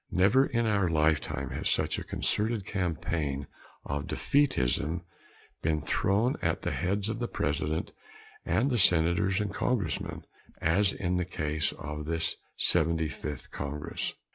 Never in our lifetime has such a concerted campaign of defeatism been thrown at the heads of the President and the Senators and Congressmen as in the case of this Seventy Fifth Congress.